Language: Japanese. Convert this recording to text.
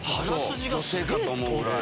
女性かと思うぐらい。